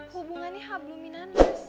hubungannya hablu minannas